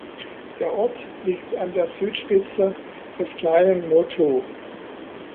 Der Ort liegt an der Südspitze des kleinen Motu.